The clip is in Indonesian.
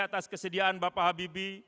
atas kesediaan bapak habibi